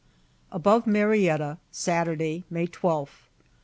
Above Marietta, Saturday, May 12th.